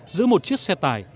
giữa một chiếc xe tải